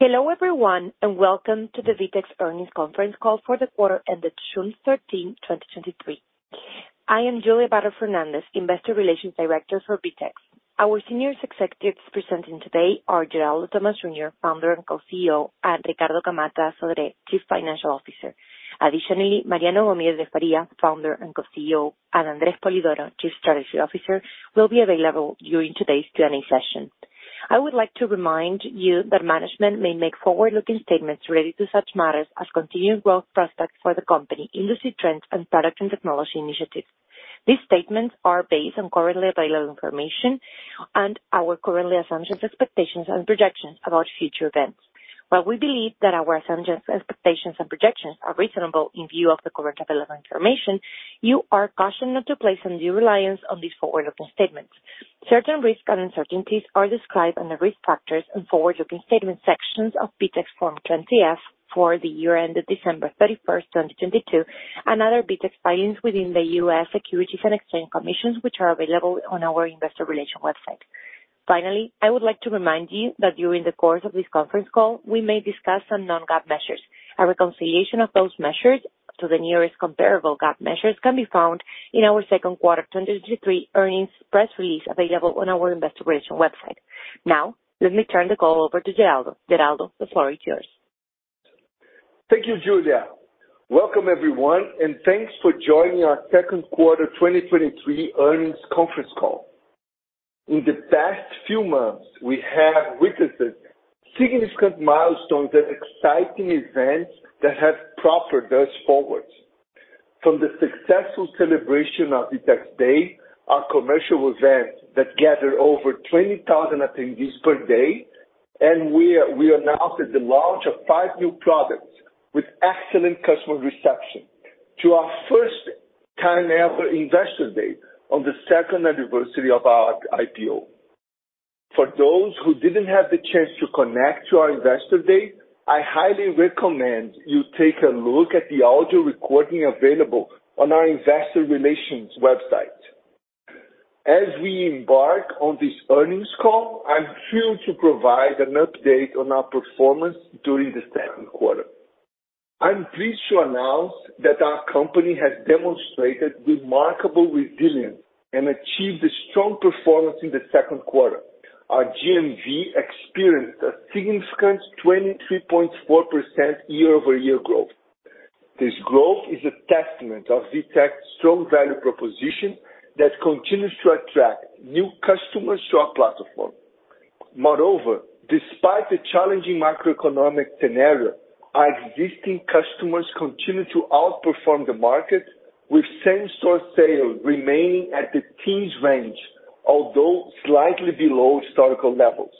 Hello, everyone, and welcome to the VTEX Earnings Conference Call for the quarter ended June 13, 2023. I am Julia Vater Fernandez, Investor Relations Director for VTEX. Our senior executives presenting today are Geraldo Thomaz Jr.; Founder and Co-CEO, and Ricardo Camatta Sodre; Chief Financial Officer. Additionally, Mariano Gomide de Faria; Founder and Co-CEO, and Andre Spolidoro; Chief Strategy Officer, will be available during today's Q&A session. I would like to remind you that management may make forward-looking statements related to such matters as continued growth prospects for the company, industry trends, and product and technology initiatives. These statements are based on currently available information and our currently assumptions, expectations, and projections about future events. While we believe that our assumptions, expectations and projections are reasonable in view of the current available information, you are cautioned not to place undue reliance on these forward-looking statements. Certain risks and uncertainties are described on the Risk Factors and Forward-Looking Statement sections of VTEX Form 20-F for the year ended December 31st, 2022, and other VTEX filings within the US Securities and Exchange Commission, which are available on our investor relations website. Finally, I would like to remind you that during the course of this conference call, we may discuss some non-GAAP measures. A reconciliation of those measures to the nearest comparable GAAP measures can be found in our second quarter 2023 earnings press release, available on our investor relations website. Let me turn the call over to Geraldo. Geraldo, the floor is yours. Thank you, Julia. Welcome, everyone, and thanks for joining our Second Quarter 2023 Earnings Conference Call. In the past few months, we have witnessed significant milestones and exciting events that have propelled us forward. From the successful celebration of VTEX DAY, our commercial event that gathered over 20,000 attendees per day, and where we announced the launch of five new products with excellent customer reception, to our first-time-ever Investor Day on the second anniversary of our IPO. For those who didn't have the chance to connect to our Investor Day, I highly recommend you take a look at the audio recording available on our investor relations website. As we embark on this earnings call, I'm thrilled to provide an update on our performance during the second quarter. I'm pleased to announce that our company has demonstrated remarkable resilience and achieved a strong performance in the second quarter. Our GMV experienced a significant 23.4% year-over-year growth. This growth is a testament of VTEX's strong value proposition that continues to attract new customers to our platform. Moreover, despite the challenging macroeconomic scenario, our existing customers continue to outperform the market, with same-store sales remaining at the teens range, although slightly below historical levels.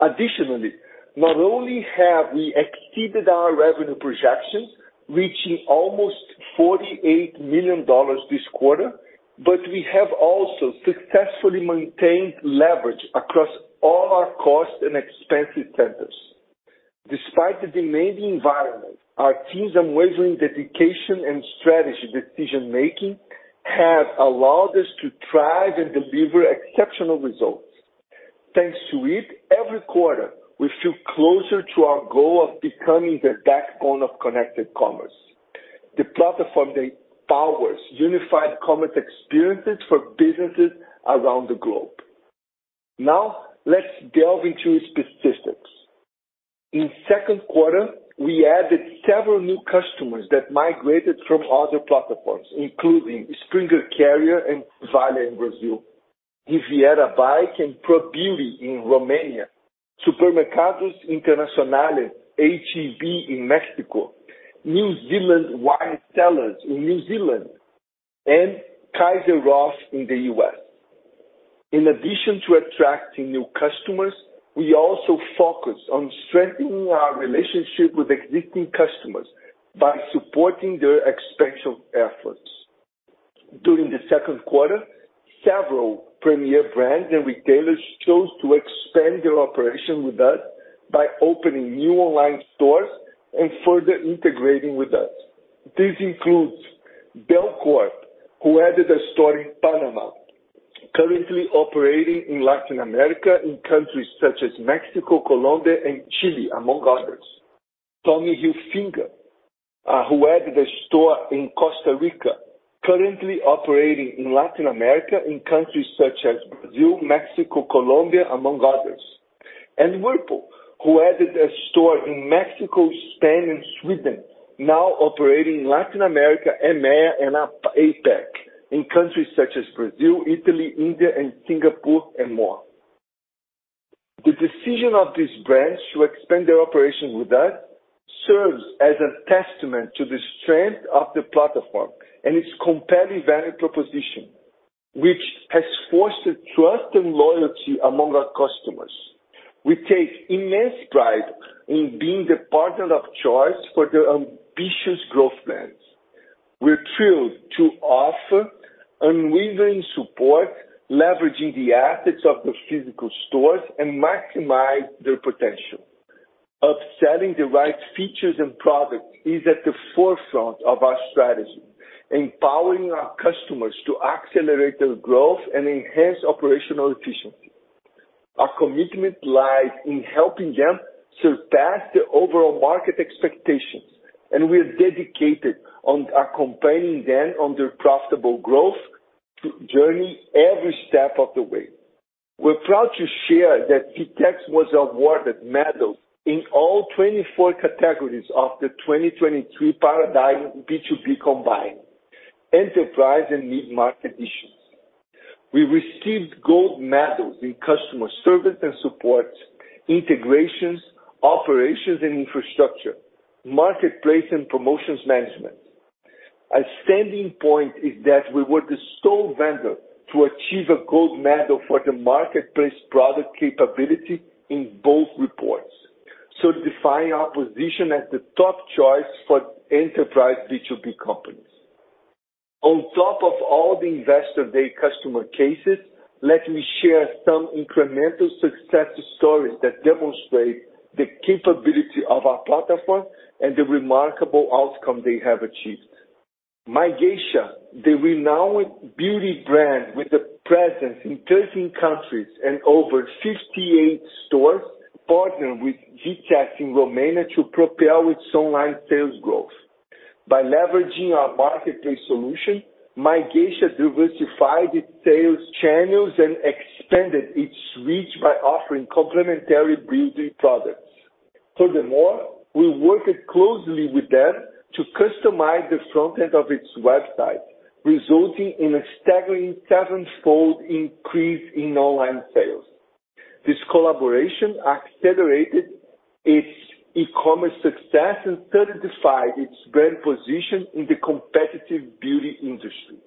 Additionally, not only have we exceeded our revenue projections, reaching almost $48 million this quarter, but we have also successfully maintained leverage across all our cost and expense centers. Despite the demanding environment, our team's unwavering dedication and strategy decision-making have allowed us to thrive and deliver exceptional results. Thanks to it, every quarter, we feel closer to our goal of becoming the backbone of connected commerce, the platform that powers unified commerce experiences for businesses around the globe. Now, let's delve into specifics. In second quarter, we added several new customers that migrated from other platforms, including Springer Carrier and Vale in Brazil, Riviera Bike and ProBeauty in Romania, Supermercados Internacionales HEB in Mexico, New Zealand Wine Cellars in New Zealand, and Kayser Roth in the U.S. In addition to attracting new customers, we also focus on strengthening our relationship with existing customers by supporting their expansion efforts. During the second quarter, several premier brands and retailers chose to expand their operation with us by opening new online stores and further integrating with us. This includes Belcorp, who added a store in Panama, currently operating in Latin America, in countries such as Mexico, Colombia, and Chile, among others. Tommy Hilfiger, who added a store in Costa Rica, currently operating in Latin America, in countries such as Brazil, Mexico, Colombia, among others. Whirlpool, who added a store in Mexico, Spain, and Sweden, now operating in Latin America, EMEA, and APAC, in countries such as Brazil, Italy, India, and Singapore, and more. The decision of these brands to expand their operations with us serves as a testament to the strength of the platform and its competitive value proposition, which has fostered trust and loyalty among our customers. We take immense pride in being the partner of choice for their ambitious growth plans. We're thrilled to offer unwavering support, leveraging the assets of the physical stores and maximize their potential. Up selling the right features and products is at the forefront of our strategy, empowering our customers to accelerate their growth and enhance operational efficiency. Our commitment lies in helping them surpass the overall market expectations, and we are dedicated on accompanying them on their profitable growth journey every step of the way. We're proud to share that VTEX was awarded medals in all 24 categories of the 2023 Paradigm B2B Combined, Enterprise, and Mid-Market Editions. We received gold medals in customer service and support, integrations, operations and infrastructure, marketplace and promotions management. A standing point is that we were the sole vendor to achieve a gold medal for the marketplace product capability in both reports, solidifying our position as the top choice for enterprise B2B companies. On top of all the Investor Day customer cases, let me share some incremental success stories that demonstrate the capability of our platform and the remarkable outcome they have achieved. My Geisha, the renowned beauty brand with a presence in 13 countries and over 58 stores, partnered with VTEX in Romania to propel its online sales growth. By leveraging our marketplace solution, My Geisha diversified its sales channels and expanded its reach by offering complementary beauty products. Furthermore, we worked closely with them to customize the front end of its website, resulting in a staggering sevenfold increase in online sales. This collaboration accelerated its e-commerce success and certified its brand position in the competitive beauty industry.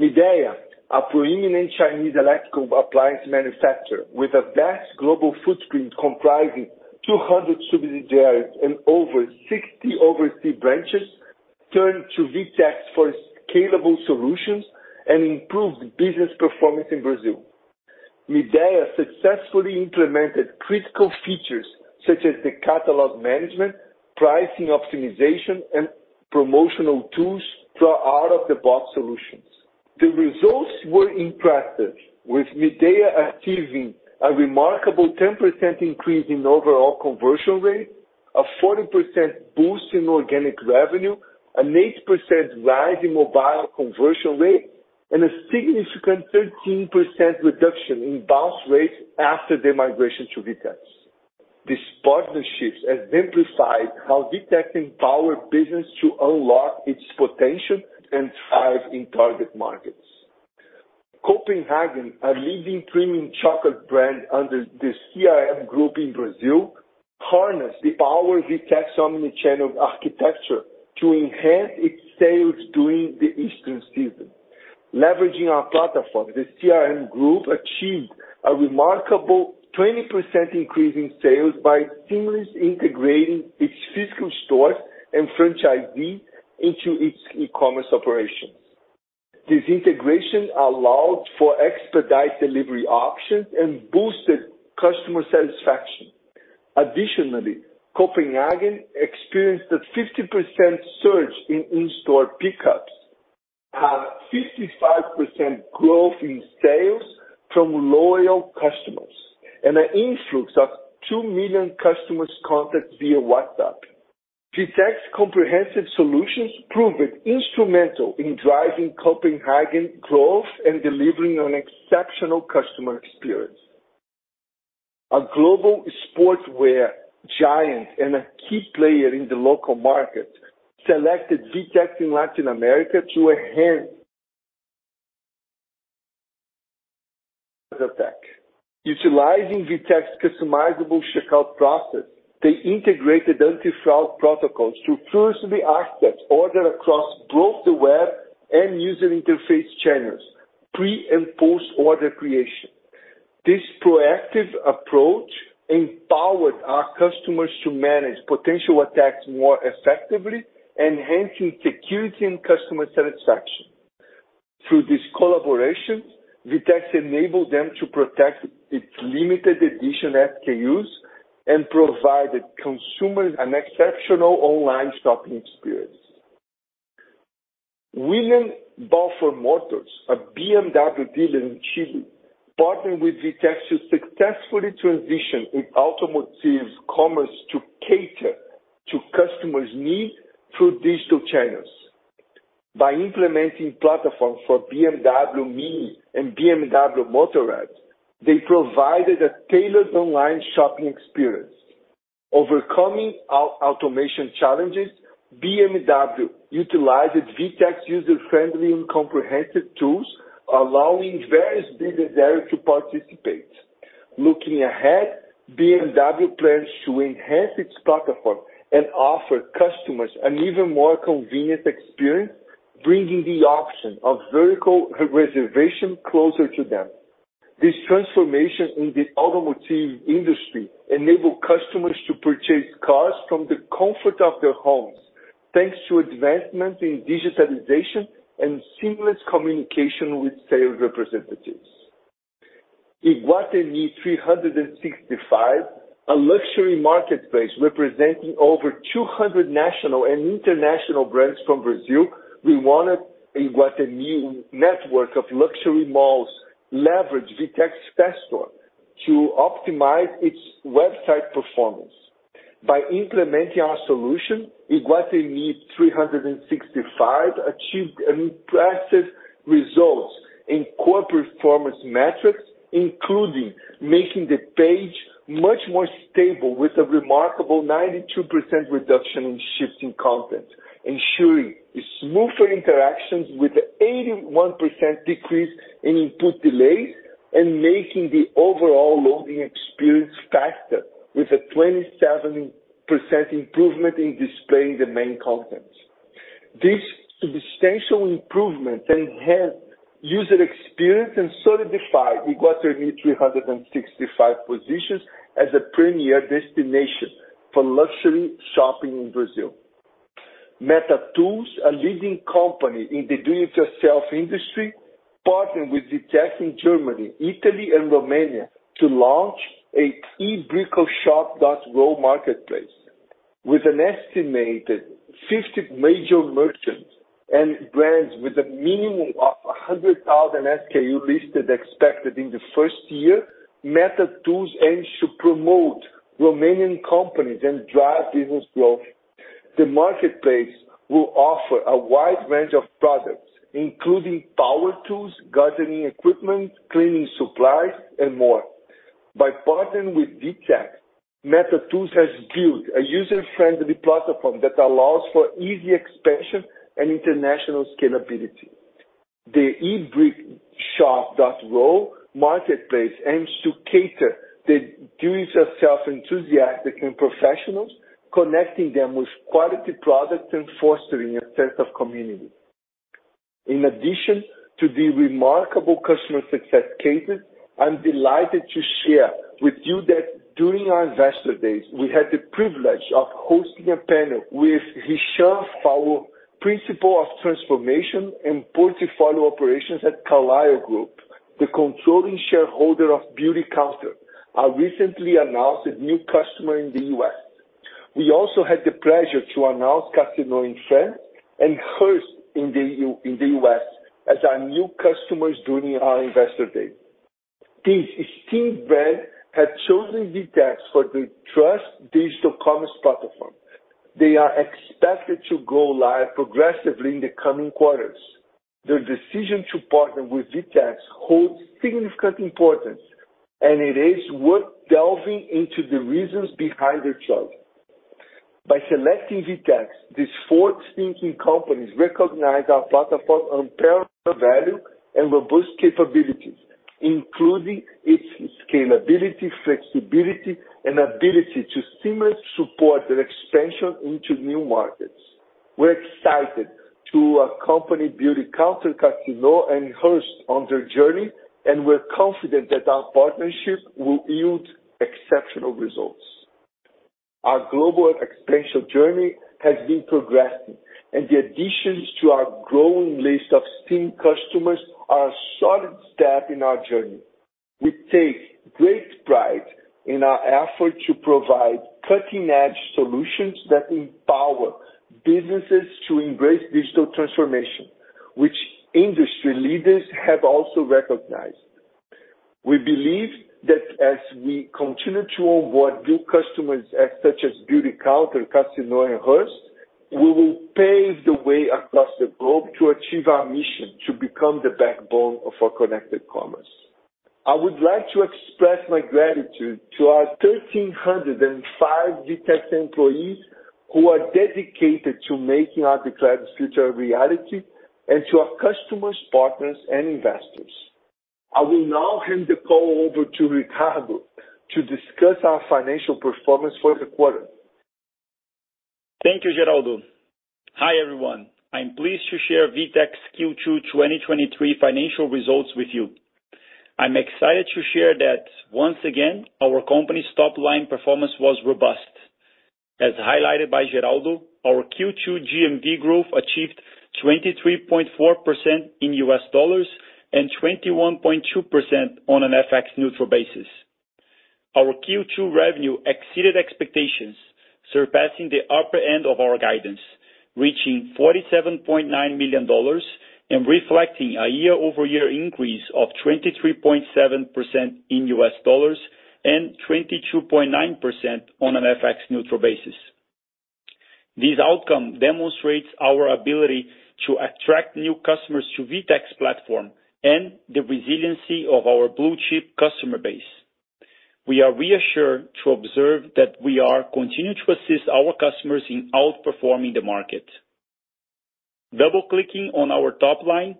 Midea, a prominent Chinese electrical appliance manufacturer with a vast global footprint comprising 200 subsidiaries and over 60 overseas branches, turned to VTEX for scalable solutions and improved business performance in Brazil. Midea successfully implemented critical features such as the catalog management, pricing optimization, and promotional tools for out-of-the-box solutions. The results were impressive, with Midea achieving a remarkable 10% increase in overall conversion rate, a 40% boost in organic revenue, an 8% rise in mobile conversion rate, and a significant 13% reduction in bounce rate after the migration to VTEX. These partnerships have exemplified how VTEX empower business to unlock its potential and thrive in target markets. Kopenhagen, a leading premium chocolate brand under the Grupo CRM in Brazil, harnessed the power of VTEX omnichannel architecture to enhance its sales during the Easter season. Leveraging our platform, the Grupo CRM achieved a remarkable 20% increase in sales by seamlessly integrating its physical stores and franchisee into its e-commerce operations. This integration allowed for expedited delivery options and boosted customer satisfaction. Additionally, Kopenhagen experienced a 50% surge in in-store pickups, had 55% growth in sales from loyal customers, and an influx of 2 million customers contacts via WhatsApp. VTEX comprehensive solutions proved instrumental in driving Kopenhagen growth and delivering on exceptional customer experience. A global sportswear giant and a key player in the local market selected VTEX in Latin America. Utilizing VTEX customizable checkout process, they integrated anti-fraud protocols to flawlessly access order across both the web and user interface channels, pre- and post-order creation. This proactive approach empowered our customers to manage potential attacks more effectively, enhancing security and customer satisfaction. Through this collaboration, VTEX enabled them to protect its limited edition SKUs and provided consumers an exceptional online shopping experience. Williamson Balfour Motors, a BMW dealer in Chile, partnered with VTEX to successfully transition its automotive commerce to cater to customers' needs through digital channels. By implementing platform for BMW MINI and BMW Motorrad, they provided a tailored online shopping experience. Overcoming our automation challenges, BMW utilized VTEX user-friendly and comprehensive tools, allowing various businesses to participate. Looking ahead, BMW plans to enhance its platform and offer customers an even more convenient experience, bringing the option of vehicle re- reservation closer to them. This transformation in the automotive industry enable customers to purchase cars from the comfort of their homes, thanks to advancements in digitalization and seamless communication with sales representatives. Iguatemi 365, a luxury marketplace representing over 200 national and international brands from Brazil, renowned Iguatemi new network of luxury malls, leverage VTEX test store to optimize its website performance. By implementing our solution, Iguatemi 365 achieved impressive results in core performance metrics, including making the page much more stable with a remarkable 92% reduction in shifting content, ensuring a smoother interactions with 81% decrease in input delays, and making the overall loading experience faster, with a 27% improvement in displaying the main contents. This substantial improvement enhance user experience and solidify Iguatemi 365 positions as a premier destination for luxury shopping in Brazil. Metatools, a leading company in the do-it-yourself industry, partnered with VTEX in Germany, Italy, and Romania to launch a e-bricoshop.ro marketplace. With an estimated 50 major merchants and brands with a minimum of 100,000 SKU listed expected in the first year, Metatools aims to promote Romanian companies and drive business growth. The marketplace will offer a wide range of products, including power tools, gardening equipment, cleaning supplies, and more. By partnering with VTEX, Metatools has built a user-friendly platform that allows for easy expansion and international scalability. The e-bricoshop.ro marketplace aims to cater the do-it-yourself enthusiastic and professionals, connecting them with quality products and fostering a sense of community. In addition to the remarkable customer success cases, I'm delighted to share with you that during our Investor Day, we had the privilege of hosting a panel with Richard Fowell, Principal of Transformation and Portfolio Operations at Carlyle Group, the controlling shareholder of Beautycounter, our recently announced new customer in the U.S. We also had the pleasure to announce Casino in France and Hearst in the U.S, as our new customers during our Investor Day. These esteemed brand have chosen VTEX for their trust digital commerce platform. They are expected to go live progressively in the coming quarters. Their decision to partner with VTEX holds significant importance. It is worth delving into the reasons behind their choice. By selecting VTEX, these forward-thinking companies recognize our platform unparalleled value and robust capabilities, including its scalability, flexibility, and ability to seamlessly support their expansion into new markets. We're excited to accompany Beautycounter, Casino, and Hearst on their journey. We're confident that our partnership will yield exceptional results. Our global expansion journey has been progressing. The additions to our growing list of esteemed customers are a solid step in our journey. We take great pride in our effort to provide cutting-edge solutions that empower businesses to embrace digital transformation, which industry leaders have also recognized. We believe that as we continue to onboard new customers, as such as Beautycounter, Casino, and Hearst, we will pave the way across the globe to achieve our mission: to become the backbone of our connected commerce. I would like to express my gratitude to our 1,305 VTEX employees, who are dedicated to making our declared future a reality, and to our customers, partners, and investors. I will now hand the call over to Ricardo to discuss our financial performance for the quarter. Thank you, Geraldo. Hi, everyone. I'm pleased to share VTEX Q2 2023 financial results with you. I'm excited to share that once again, our company's top line performance was robust. As highlighted by Geraldo, our Q2 GMV growth achieved 23.4% in U.S dollars and 21.2% on an FX-neutral basis. Our Q2 revenue exceeded expectations, surpassing the upper end of our guidance, reaching $47.9 million, reflecting a year-over-year increase of 23.7% in U.S dollars, and 22.9% on an FX-neutral basis. This outcome demonstrates our ability to attract new customers to VTEX platform and the resiliency of our blue chip customer base. We are reassured to observe that we are continuing to assist our customers in outperforming the market. Double-clicking on our top line,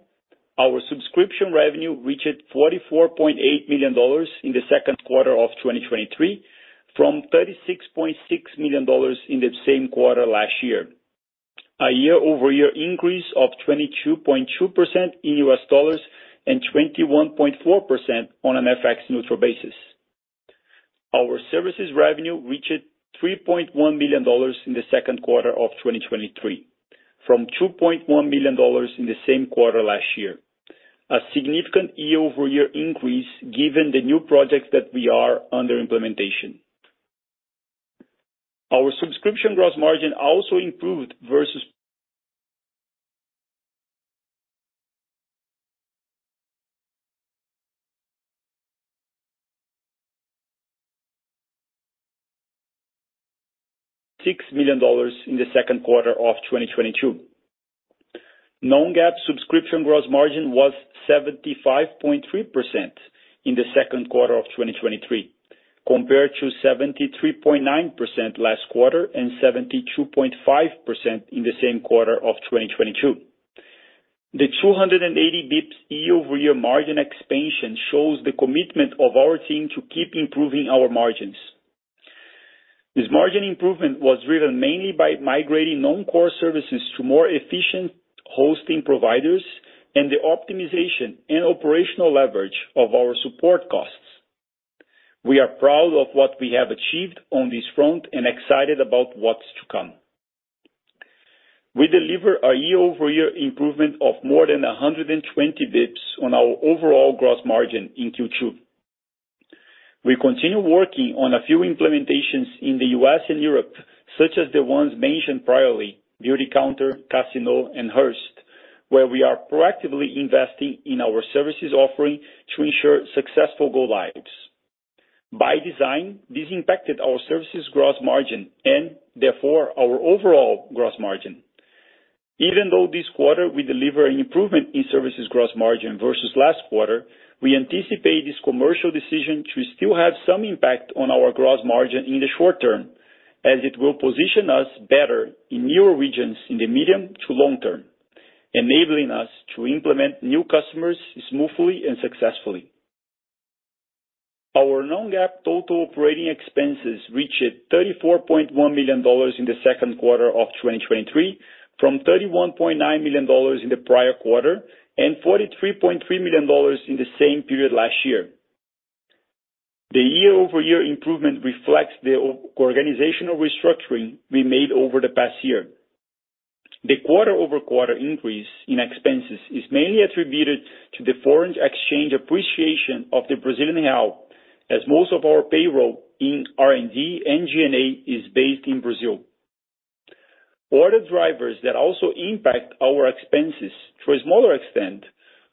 our subscription revenue reached $44.8 million in the second quarter of 2023, from $36.6 million in the same quarter last year, a year-over-year increase of 22.2% in U.S. dollars and 21.4% on an FX-neutral basis. Our services revenue reached $3.1 million in the second quarter of 2023, from $2.1 million in the same quarter last year, a significant year-over-year increase, given the new projects that we are under implementation. Our subscription gross margin also improved versus $6 million in the second quarter of 2022. non-GAAP subscription gross margin was 75.3% in the second quarter of 2023, compared to 73.9% last quarter, and 72.5% in the same quarter of 2022. The 280 BPS year-over-year margin expansion shows the commitment of our team to keep improving our margins. This margin improvement was driven mainly by migrating non-core services to more efficient hosting providers and the optimization and operational leverage of our support costs. We are proud of what we have achieved on this front and excited about what's to come. We deliver a year-over-year improvement of more than 120 BPS on our overall gross margin in Q2. We continue working on a few implementations in the US and Europe, such as the ones mentioned priorly, Beautycounter, Casino, and Hearst, where we are proactively investing in our services offering to ensure successful go lives. By design, this impacted our services gross margin and therefore, our overall gross margin. Even though this quarter we deliver an improvement in services gross margin versus last quarter, we anticipate this commercial decision to still have some impact on our gross margin in the short term, as it will position us better in newer regions in the medium to long term, enabling us to implement new customers smoothly and successfully. Our non-GAAP total operating expenses reached $34.1 million in the second quarter of 2023, from $31.9 million in the prior quarter, and $43.3 million in the same period last year. The year-over-year improvement reflects the organizational restructuring we made over the past year. The quarter-over-quarter increase in expenses is mainly attributed to the foreign exchange appreciation of the Brazilian real, as most of our payroll in R&D and G&A is based in Brazil. Other drivers that also impact our expenses to a smaller extent,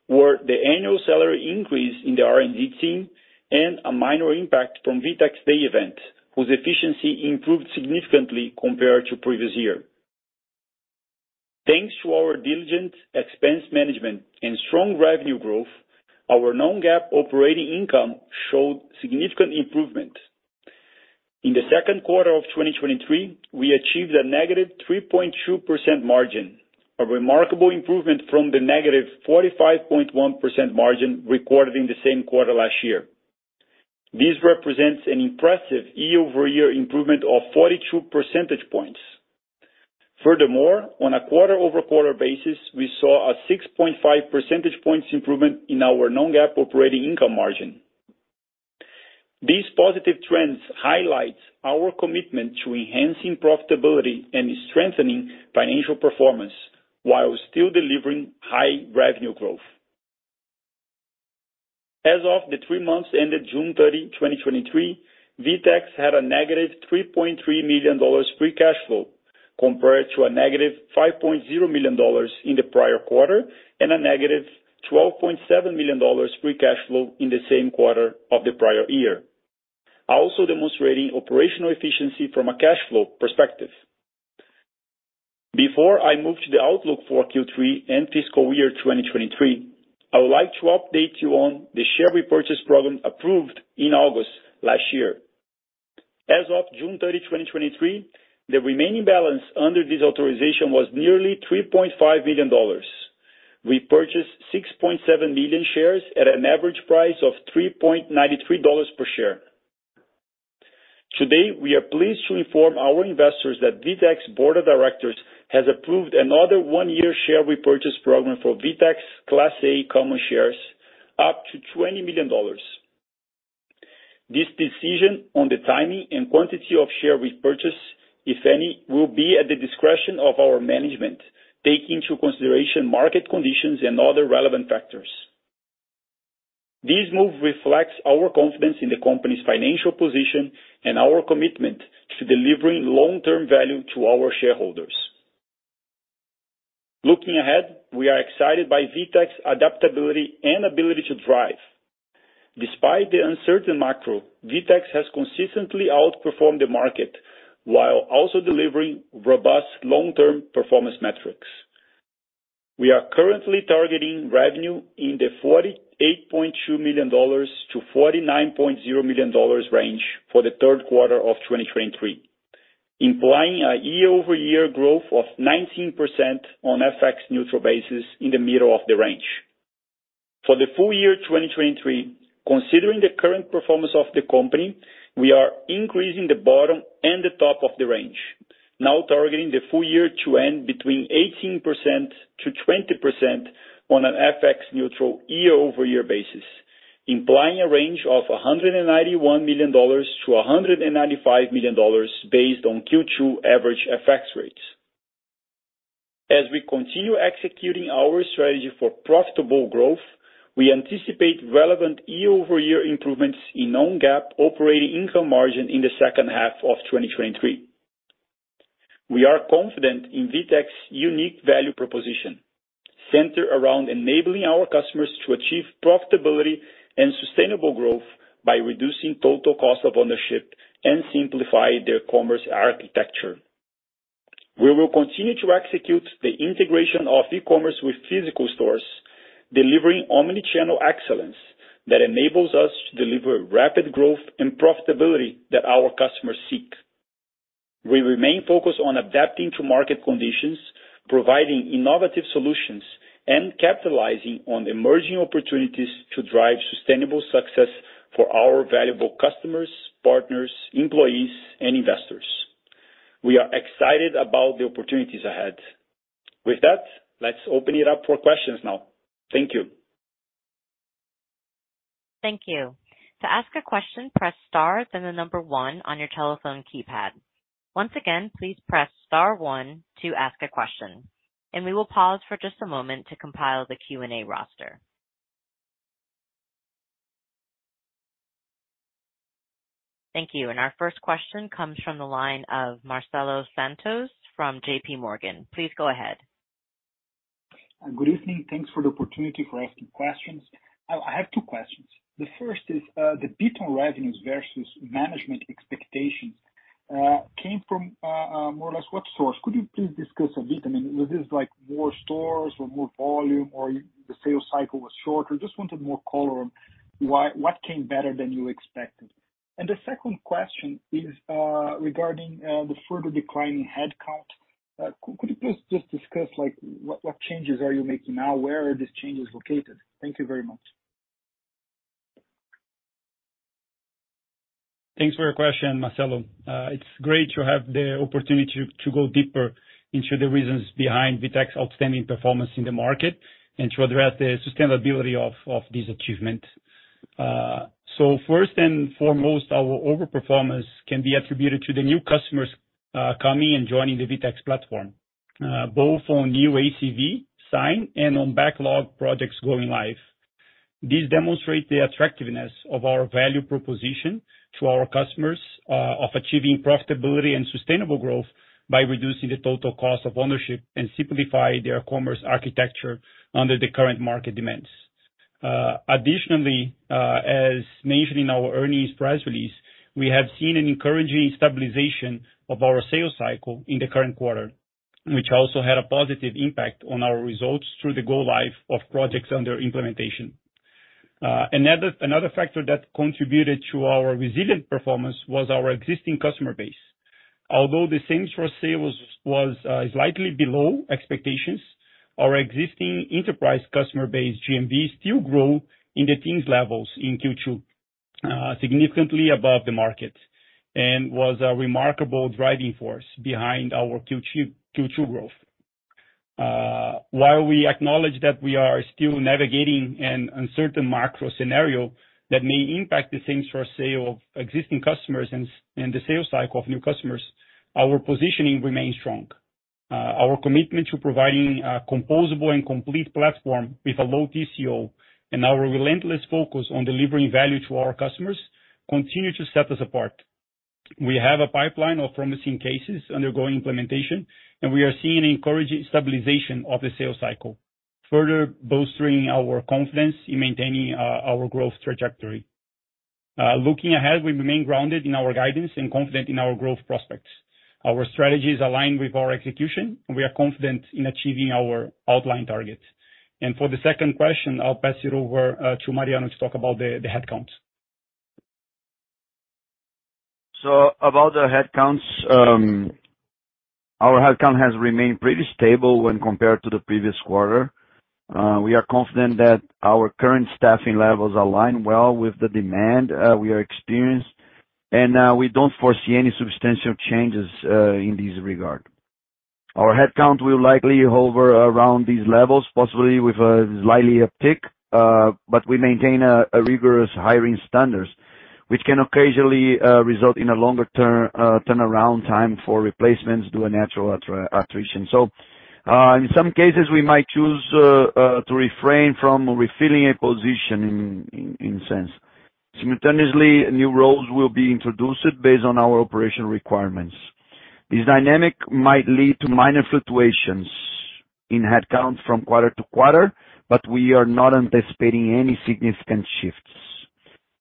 were the annual salary increase in the R&D team, and a minor impact from VTEX DAY event, whose efficiency improved significantly compared to previous year. Thanks to our diligent expense management and strong revenue growth, our non-GAAP operating income showed significant improvement. In the second quarter of 2023, we achieved a negative 3.2% margin, a remarkable improvement from the negative 45.1% margin recorded in the same quarter last year. This represents an impressive year-over-year improvement of 42 percentage points. Furthermore, on a quarter-over-quarter basis, we saw a 6.5 percentage points improvement in our non-GAAP operating income margin. These positive trends highlights our commitment to enhancing profitability and strengthening financial performance, while still delivering high revenue growth. As of the three months ended June 30, 2023, VTEX had a negative $3.3 million free cash flow, compared to a negative $5.0 million in the prior quarter, and a negative $12.7 million free cash flow in the same quarter of the prior year, also demonstrating operational efficiency from a cash flow perspective. Before I move to the outlook for Q3 and fiscal year 2023, I would like to update you on the share repurchase program approved in August last year. As of June 30, 2023, the remaining balance under this authorization was nearly $3.5 million. We purchased 6.7 million shares at an average price of $3.93 per share. Today, we are pleased to inform our investors that VTEX Board of Directors has approved another one-year share repurchase program for VTEX Class A common shares, up to $20 million. This decision on the timing and quantity of share repurchase, if any, will be at the discretion of our management, take into consideration market conditions and other relevant factors. This move reflects our confidence in the company's financial position and our commitment to delivering long-term value to our shareholders. Looking ahead, we are excited by VTEX adaptability and ability to thrive. Despite the uncertain macro, VTEX has consistently outperformed the market, while also delivering robust long-term performance metrics. We are currently targeting revenue in the $48.2 million-$49.0 million range for the third quarter of 2023, implying a year-over-year growth of 19% on FX-neutral basis in the middle of the range. For the full year 2023, considering the current performance of the company, we are increasing the bottom and the top of the range now targeting the full year to end between 18%-20% on an FX-neutral year-over-year basis, implying a range of $191-195 million based on Q2 average FX rates. As we continue executing our strategy for profitable growth, we anticipate relevant year-over-year improvements in non-GAAP operating income margin in the second half of 2023. We are confident in VTEX unique value proposition, centered around enabling our customers to achieve profitability and sustainable growth by reducing total cost of ownership and simplify their commerce architecture. We will continue to execute the integration of e-commerce with physical stores, delivering omnichannel excellence that enables us to deliver rapid growth and profitability that our customers seek. We remain focused on adapting to market conditions, providing innovative solutions and capitalizing on emerging opportunities to drive sustainable success for our valuable customers, partners, employees, and investors. We are excited about the opportunities ahead. With that, let's open it up for questions now. Thank you. Thank you. To ask a question, press star, then the 1 on your telephone keypad. Once again, please press star 1 to ask a question, and we will pause for just a moment to compile the Q&A roster. Thank you. Our first question comes from the line of Marcelo Santos from JP Morgan. Please go ahead. Good evening. Thanks for the opportunity for asking questions. I have two questions: The first is, the beat on revenues versus management expectations came from, more or less, what source? Could you please discuss a bit? I mean, was this like more stores or more volume, or the sales cycle was shorter? Just wanted more color on what came better than you expected. The second question is, regarding the further declining headcount. Could you please just discuss, like, what, what changes are you making now? Where are these changes located? Thank you very much. Thanks for your question, Marcelo. It's great to have the opportunity to go deeper into the reasons behind VTEX outstanding performance in the market and to address the sustainability of this achievement. First and foremost, our overperformance can be attributed to the new customers coming and joining the VTEX platform, both on new ACV sign and on backlog projects going live. This demonstrate the attractiveness of our value proposition to our customers of achieving profitability and sustainable growth by reducing the total cost of ownership and simplify their commerce architecture under the current market demands. Additionally, as mentioned in our earnings press release, we have seen an encouraging stabilization of our sales cycle in the current quarter, which also had a positive impact on our results through the go live of projects under implementation. Another, another factor that contributed to our resilient performance was our existing customer base. Although the same-store sale was, slightly below expectations, our existing enterprise customer base, GMV, still grew in the teens levels in Q2, significantly above the market, and was a remarkable driving force behind our Q2, Q2 growth. While we acknowledge that we are still navigating an uncertain macro scenario that may impact the same-store sale of existing customers and, and the sales cycle of new customers, our positioning remains strong. Our commitment to providing a composable and complete platform with a low TCO and our relentless focus on delivering value to our customers, continue to set us apart. We have a pipeline of promising cases undergoing implementation, and we are seeing an encouraging stabilization of the sales cycle, further bolstering our confidence in maintaining, our growth trajectory. Looking ahead, we remain grounded in our guidance and confident in our growth prospects. Our strategy is aligned with our execution, and we are confident in achieving our outlined targets. For the second question, I'll pass it over to Mariano to talk about the, the headcounts. About the headcounts, our headcount has remained pretty stable when compared to the previous quarter. We are confident that our current staffing levels align well with the demand we are experienced, and we don't foresee any substantial changes in this regard. Our headcount will likely hover around these levels, possibly with a slightly uptick, but we maintain a rigorous hiring standards, which can occasionally result in a longer term turnaround time for replacements due to natural attrition. In some cases, we might choose to refrain from refilling a position in a sense. Simultaneously, new roles will be introduced based on our operational requirements. This dynamic might lead to minor fluctuations in headcount from quarter to quarter, but we are not anticipating any significant shifts.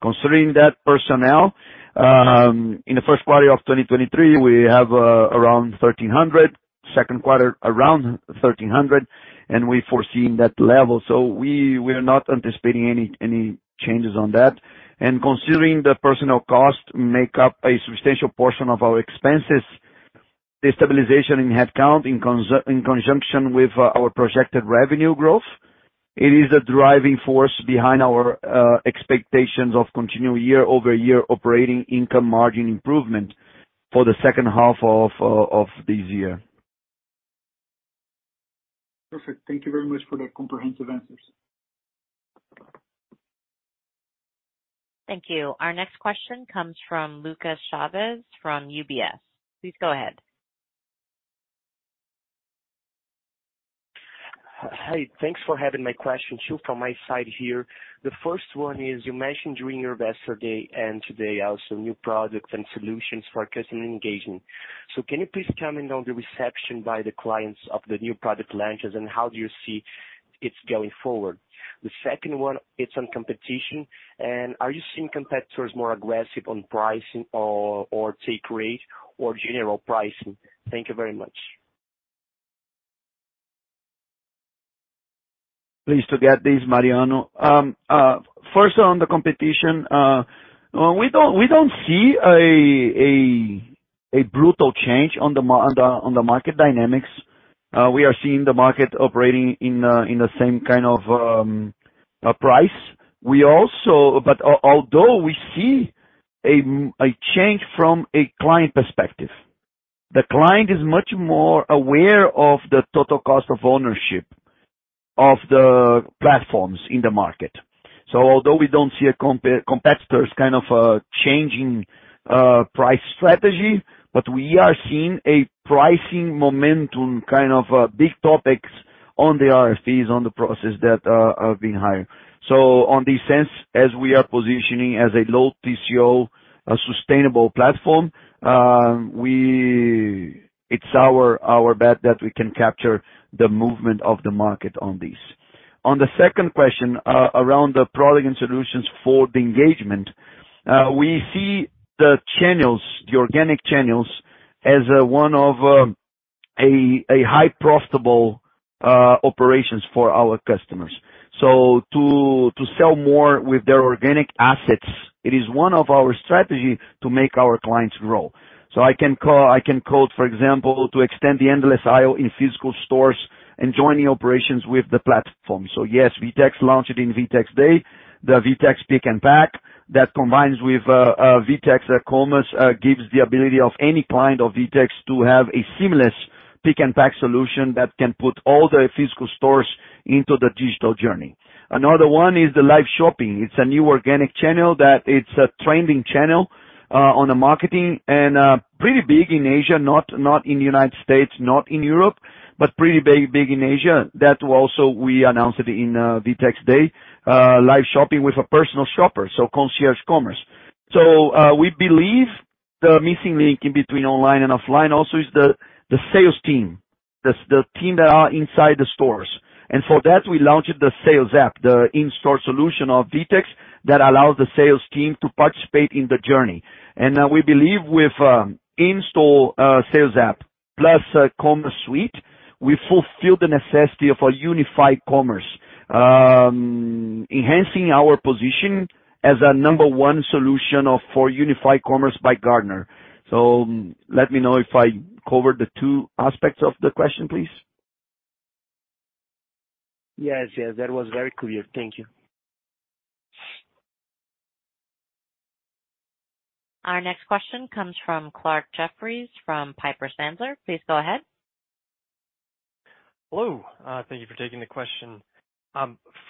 Concerning that personnel, in the first quarter of 2023, we have around 1,300, second quarter around 1,300, and we're foreseeing that level. We are not anticipating any changes on that. Considering the personnel costs make up a substantial portion of our expenses, the stabilization in headcount, in conjunction with our projected revenue growth. It is a driving force behind our expectations of continuing year-over-year operating income margin improvement for the second half of this year. Perfect. Thank you very much for that comprehensive answers. Thank you. Our next question comes from Lucas Chaves from UBS. Please go ahead. Hi, thanks for having my question. Two from my side here. The first one is, you mentioned during your Investor Day, and today also, new products and solutions for customer engagement. Can you please comment on the reception by the clients of the new product launches, and how do you see it's going forward? The second one, it's on competition. Are you seeing competitors more aggressive on pricing or, or take rate or general pricing? Thank you very much. Pleased to get this, Mariano. First, on the competition, we don't, we don't see a brutal change on the market dynamics. We are seeing the market operating in, in the same kind of, price. We also, but although we see a change from a client perspective, the client is much more aware of the total cost of ownership of the platforms in the market. Although we don't see competitors kind of, changing, price strategy, but we are seeing a pricing momentum, kind of, big topics on the RFPs, on the process that, are being hired. On this sense, as we are positioning as a low TCO, a sustainable platform, we... It's our bet that we can capture the movement of the market on this. On the second question, around the product and solutions for the engagement, we see the channels, the organic channels, as one of a high profitable operations for our customers. So to sell more with their organic assets, it is one of our strategy to make our clients grow. I can quote, for example, to extend the endless aisle in physical stores and joining operations with the platform. Yes, VTEX launched it in VTEX Day, the VTEX Pick and Pack, that combines with VTEX Commerce, gives the ability of any client of VTEX to have a seamless pick-and-pack solution that can put all the physical stores into the digital journey. Another one is the Live Shopping. It's a new organic channel that it's a trending channel on the marketing, and pretty big in Asia, not in the United States, not in Europe, but pretty big in Asia. Also we announced it in VTEX Day, Live Shopping with a personal shopper, so concierge commerce. We believe the missing link in between online and offline also is the sales team, the team that are inside the stores. For that, we launched the Sales App, the in-store solution of VTEX, that allows the sales team to participate in the journey. We believe with in-store Sales App plus Commerce Suite, we fulfill the necessity of a unified commerce, enhancing our position as a number one solution for unified commerce by Gartner. Let me know if I covered the two aspects of the question, please. Yes, that was very clear. Thank you. Our next question comes from Clarke Jeffries from Piper Sandler. Please go ahead. Hello. Thank you for taking the question.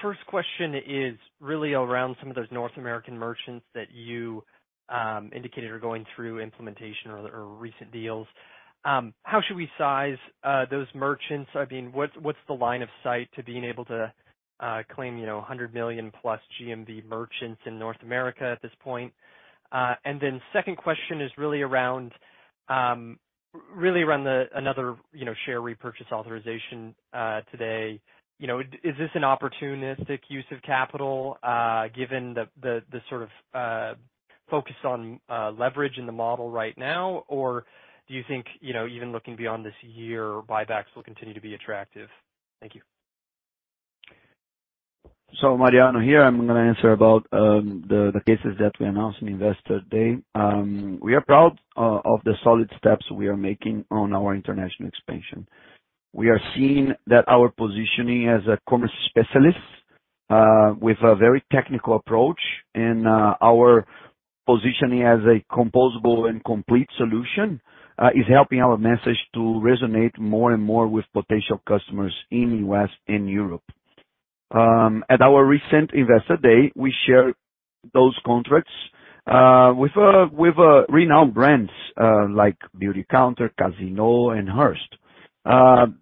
First question is really around some of those North American merchants that you indicated are going through implementation or recent deals. How should we size those merchants? I mean, what's the line of sight to being able to claim, you know, $100 million-plus GMV merchants in North America at this point? Second question is really around another share repurchase authorization today. Is this an opportunistic use of capital given focus on leverage in the model right now? Or do you think, you know, even looking beyond this year, buybacks will continue to be attractive? Thank you. Mariano here, I'm gonna answer about the cases that we announced in Investor Day. We are proud of the solid steps we are making on our international expansion. We are seeing that our positioning as a commerce specialist, with a very technical approach and our positioning as a composable and complete solution, is helping our message to resonate more and more with potential customers in U.S. and Europe. At our recent Investor Day, we shared those contracts with a, with renowned brands, like Beautycounter, Casino, and Hearst.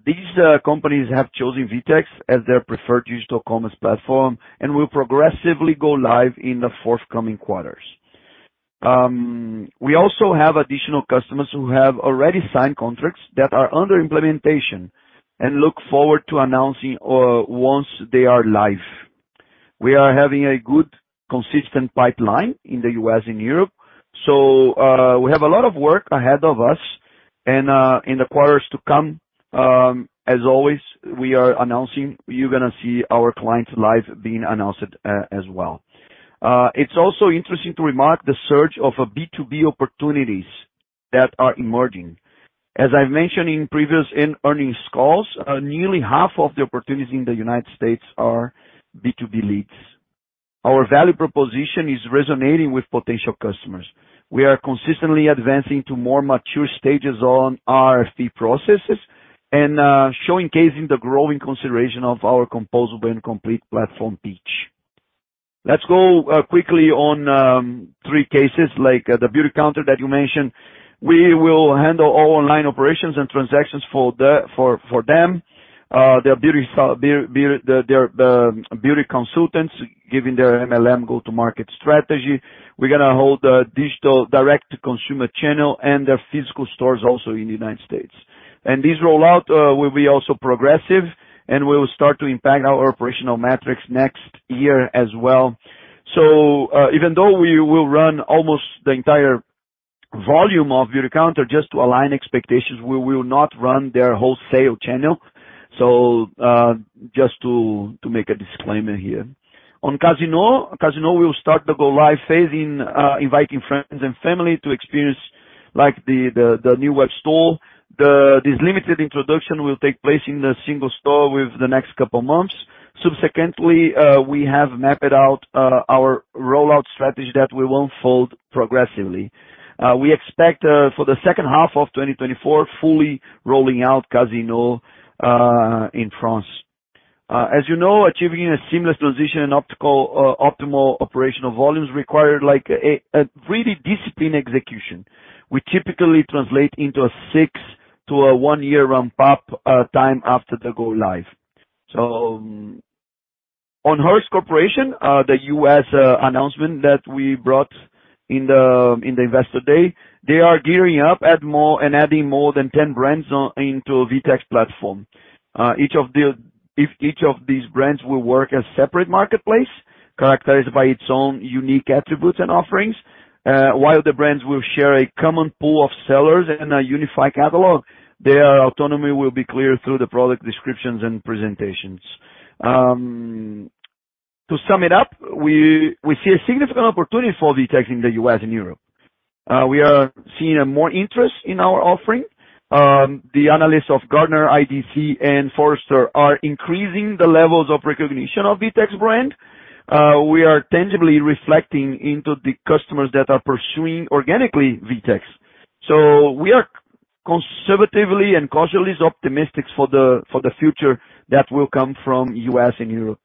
These companies have chosen VTEX as their preferred digital commerce platform and will progressively go live in the forthcoming quarters. We also have additional customers who have already signed contracts that are under implementation and look forward to announcing once they are live. We are having a good, consistent pipeline in the U.S and Europe, so we have a lot of work ahead of us. In the quarters to come, as always, we are announcing, you're gonna see our clients live being announced as well. It's also interesting to remark the surge of a B2B opportunities that are emerging. As I mentioned in previous earnings calls, nearly half of the opportunities in the United States are B2B leads. Our value proposition is resonating with potential customers. We are consistently advancing to more mature stages on our fee processes and showcasing the growing consideration of our composable and complete platform pitch. Let's go quickly on three cases like the Beautycounter that you mentioned. We will handle all online operations and transactions for them. Their Beautycounter consultants, giving their MLM go-to-market strategy. We're gonna hold the digital direct-to-consumer channel and their physical stores also in the United States. This rollout will be also progressive, and we will start to impact our operational metrics next year as well. Even though we will run almost the entire volume of Beautycounter just to align expectations, we will not run their wholesale channel. Just to make a disclaimer here. On Casino, Casino will start the go live phase in inviting friends and family to experience the new web store. This limited introduction will take place in the single store with the next couple of months. We have mapped out our rollout strategy that we won't fold progressively. We expect for the second half of 2024, fully rolling out Casino in France. As you know, achieving a seamless transition and optimal operational volumes require really disciplined execution. We typically translate into a six to a one-year ramp-up time after the go live. On Hearst Corporation, the U.S. announcement that we brought in the Investor Day, they are gearing up, and adding more than 10 brands into VTEX platform. Each of these brands will work as separate marketplace, characterized by its own unique attributes and offerings, while the brands will share a common pool of sellers and a unified catalog, their autonomy will be clear through the product descriptions and presentations. To sum it up, we, we see a significant opportunity for VTEX in the U.S. and Europe. We are seeing a more interest in our offering. The analysts of Gartner, IDC, and Forrester are increasing the levels of recognition of VTEX brand. We are tangibly reflecting into the customers that are pursuing organically, VTEX. We are conservatively and cautiously optimistic for the, for the future that will come from U.S. and Europe.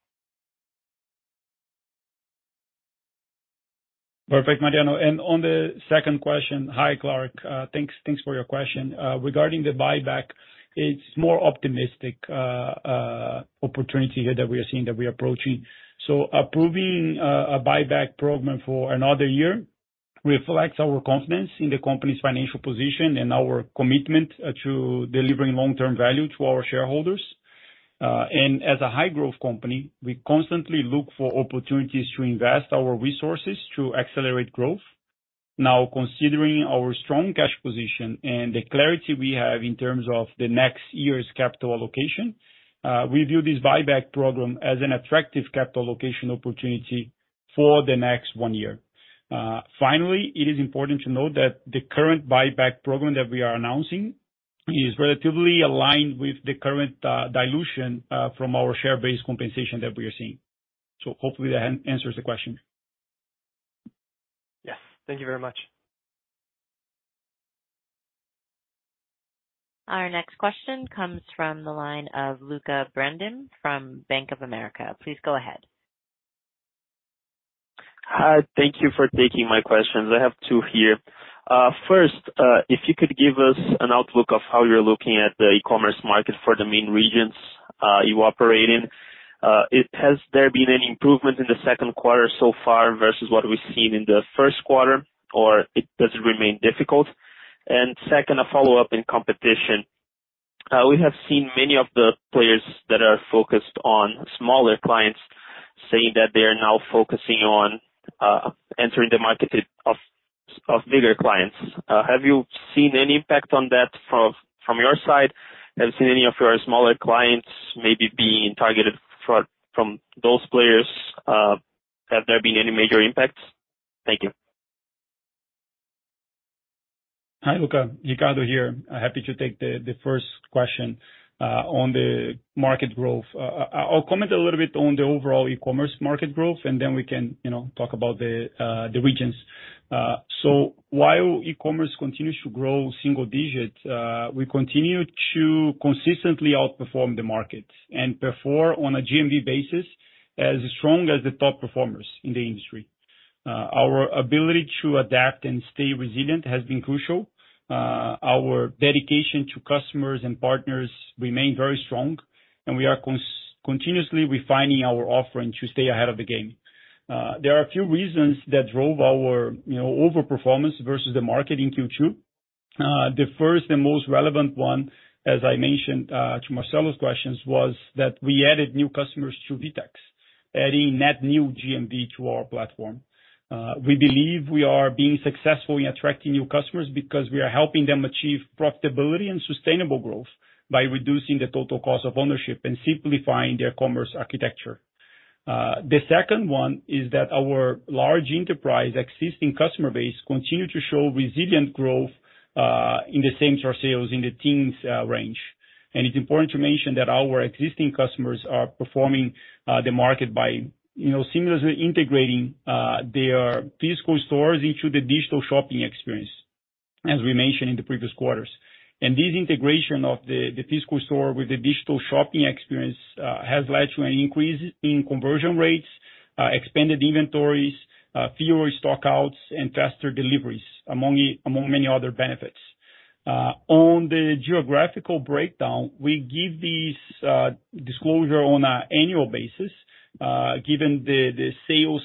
Perfect, Mariano. On the second question. Hi, Clark, thanks, thanks for your question. Regarding the buyback, it's more optimistic opportunity here that we are seeing, that we are approaching. Approving a buyback program for another year reflects our confidence in the company's financial position and our commitment to delivering long-term value to our shareholders. As a high growth company, we constantly look for opportunities to invest our resources to accelerate growth. Now, considering our strong cash position and the clarity we have in terms of the next year's capital allocation, we view this buyback program as an attractive capital allocation opportunity for the next one year. Finally, it is important to note that the current buyback program that we are announcing is relatively aligned with the current dilution from our share-based compensation that we are seeing. Hopefully that answers the question. Yes, thank you very much. Our next question comes from the line of Lucca Brendim from Bank of America. Please go ahead. Hi, thank you for taking my questions. I have two here. First, if you could give us an outlook of how you're looking at the e-commerce market for the main regions, you operate in. Has there been any improvement in the second quarter so far versus what we've seen in the first quarter, or does it remain difficult? Second, a follow-up in competition. We have seen many of the players that are focused on smaller clients, saying that they are now focusing on entering the market of bigger clients. Have you seen any impact on that from your side? Have you seen any of your smaller clients maybe being targeted from those players? Have there been any major impacts? Thank you. Hi, Luca. Ricardo here. Happy to take the first question on the market growth. I'll comment a little bit on the overall e-commerce market growth, and then we can, you know, talk about the regions. While e-commerce continues to grow single digits, we continue to consistently outperform the market and perform on a GMV basis as strong as the top performers in the industry. Our ability to adapt and stay resilient has been crucial. Our dedication to customers and partners remain very strong, and we are continuously refining our offering to stay ahead of the game. There are a few reasons that drove our, you know, overperformance versus the market in Q2. The first and most relevant one, as I mentioned, to Marcelo's questions, was that we added new customers to VTEX, adding net new GMV to our platform. We believe we are being successful in attracting new customers because we are helping them achieve profitability and sustainable growth by reducing the total cost of ownership and simplifying their commerce architecture. The second one is that our large enterprise existing customer base continue to show resilient growth in the same-store sales in the teens range. It's important to mention that our existing customers are performing the market by, you know, seamlessly integrating their physical stores into the digital shopping experience, as we mentioned in the previous quarters. This integration of the physical store with the digital shopping experience has led to an increase in conversion rates, expanded inventories, fewer stock outs, and faster deliveries, among many other benefits. On the geographical breakdown, we give these disclosure on an annual basis, given the sales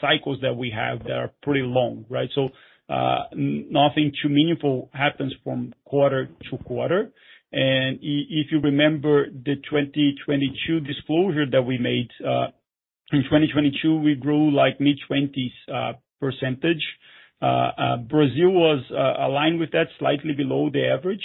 cycles that we have that are pretty long, right? Nothing too meaningful happens from quarter to quarter. If you remember the 2022 disclosure that we made in 2022, we grew like mid-20s percentage. Brazil was aligned with that, slightly below the average,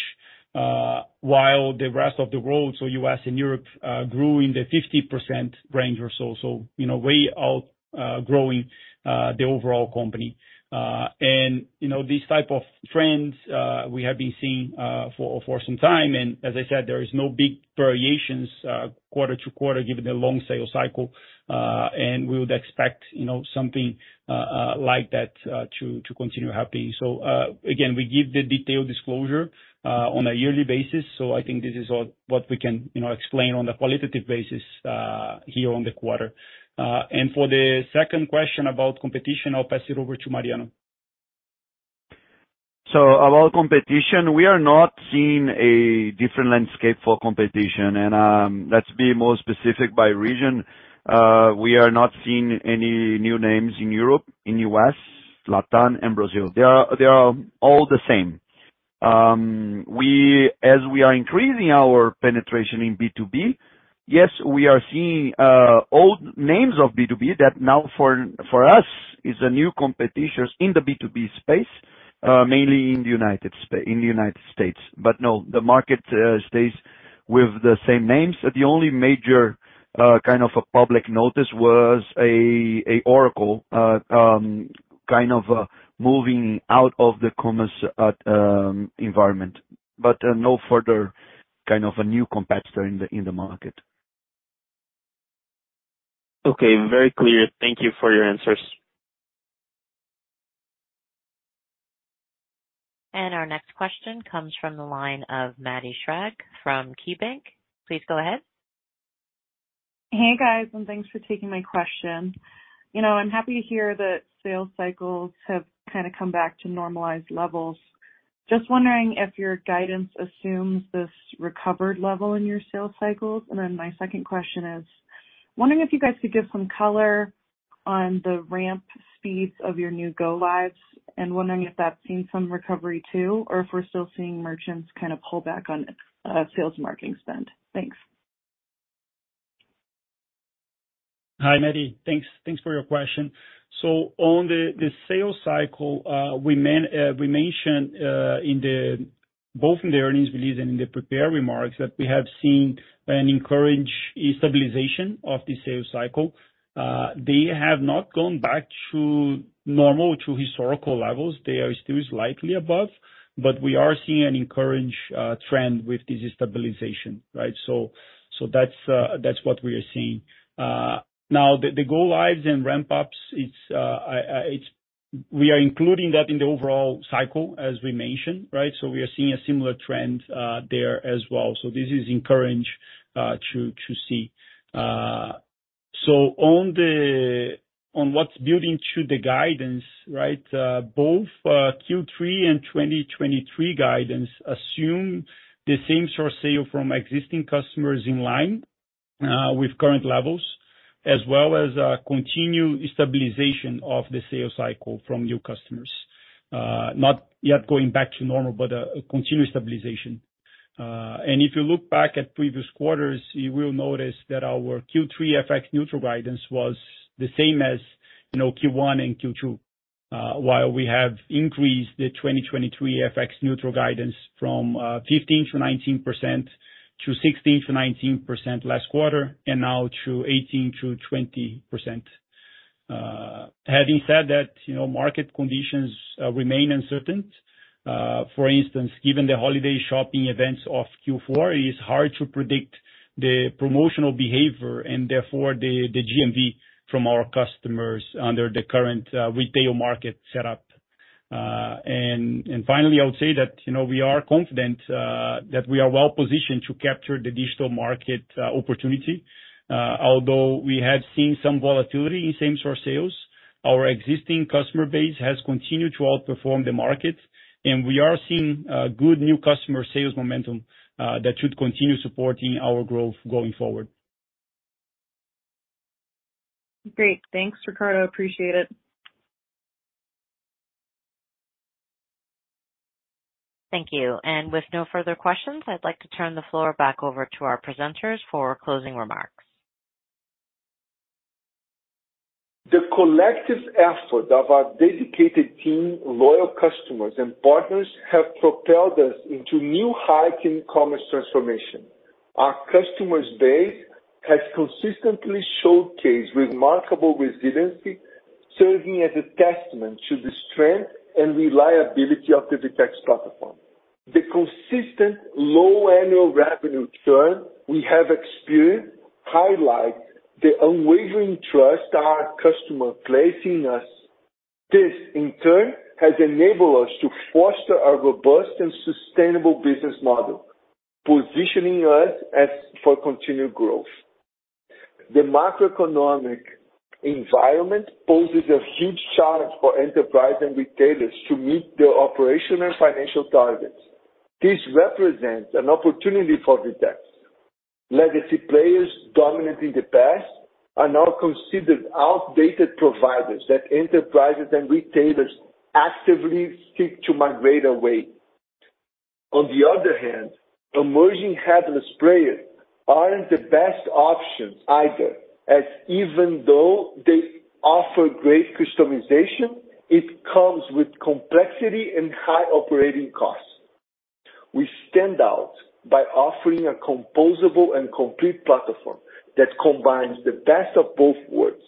while the rest of the world, so U.S. and Europe, grew in the 50% range or so. You know, way out growing the overall company. You know, these type of trends, we have been seeing for, for some time, and as I said, there is no big variations quarter to quarter, given the long sales cycle. We would expect, you know, something like that to, to continue happening. Again, we give the detailed disclosure on a yearly basis. I think this is all what we can, you know, explain on the qualitative basis here on the quarter. For the second question about competition, I'll pass it over to Mariano. About competition, we are not seeing a different landscape for competition. Let's be more specific by region. We are not seeing any new names in Europe, in US, Latin, and Brazil. They are, they are all the same. As we are increasing our penetration in B2B, yes, we are seeing old names of B2B that now for, for us, is a new competition in the B2B space, mainly in the United States. No, the market stays with the same names. The only major kind of a public notice was Oracle kind of moving out of the commerce environment, but no further kind of a new competitor in the market. Okay, very clear. Thank you for your answers. Our next question comes from the line of Maddie Schrage from KeyBanc. Please go ahead. Hey, guys, thanks for taking my question. You know, I'm happy to hear that sales cycles have kind of come back to normalized levels. Just wondering if your guidance assumes this recovered level in your sales cycles. My second question is, wondering if you guys could give some color on the ramp speeds of your new go lives, and wondering if that's seen some recovery too, or if we're still seeing merchants kind of pull back on sales marketing spend. Thanks. Hi, Maddie. Thanks, thanks for your question. On the sales cycle, we mentioned both in the earnings release and in the prepared remarks, that we have seen an encouraged stabilization of the sales cycle. They have not gone back to normal, to historical levels. They are still slightly above, but we are seeing an encouraged trend with this stabilization, right? That's what we are seeing. Now, the go lives and ramp ups, we are including that in the overall cycle, as we mentioned, right? We are seeing a similar trend there as well. This is encouraged to see. On what's building to the guidance, right, both Q3 and 2023 guidance assume the same-store sales from existing customers in line with current levels, as well as continued stabilization of the sales cycle from new customers. Not yet going back to normal, but a continued stabilization. If you look back at previous quarters, you will notice that our Q3 FX-neutral guidance was the same as, you know, Q1 and Q2. While we have increased the 2023 FX-neutral guidance from 15%-19% to 16%-19% last quarter, and now to 18%-20%. Having said that, you know, market conditions remain uncertain. For instance, given the holiday shopping events of Q4, it is hard to predict the promotional behavior and therefore the GMV from our customers under the current retail market setup. Finally, I would say that, you know, we are confident that we are well positioned to capture the digital market opportunity. Although we have seen some volatility in same-store sales, our existing customer base has continued to outperform the market, and we are seeing good new customer sales momentum that should continue supporting our growth going forward. Great. Thanks, Ricardo. Appreciate it. Thank you. With no further questions, I'd like to turn the floor back over to our presenters for closing remarks. The collective effort of our dedicated team, loyal customers and partners have propelled us into new heights in e-commerce transformation. Our customers base has consistently showcased remarkable resiliency, serving as a testament to the strength and reliability of the VTEX platform. The consistent low annual revenue churn we have experienced highlights the unwavering trust our customers place in us. This, in turn, has enabled us to foster our robust and sustainable business model, positioning us as for continued growth. The macroeconomic environment poses a huge challenge for enterprise and retailers to meet their operational and financial targets. This represents an opportunity for VTEX. Legacy players dominant in the past are now considered outdated providers that enterprises and retailers actively seek to migrate away. On the other hand, emerging headless players aren't the best options either, as even though they offer great customization, it comes with complexity and high operating costs. We stand out by offering a composable and complete platform that combines the best of both worlds,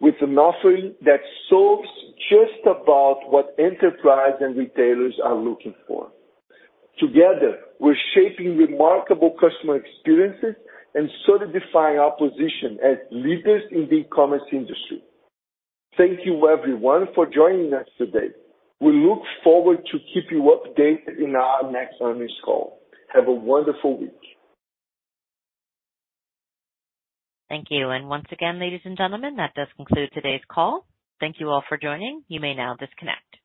with an offering that solves just about what enterprise and retailers are looking for. Together, we're shaping remarkable customer experiences and solidifying our position as leaders in the e-commerce industry. Thank you, everyone, for joining us today. We look forward to keep you updated in our next earnings call. Have a wonderful week! Thank you. Once again, ladies and gentlemen, that does conclude today's call. Thank you all for joining. You may now disconnect.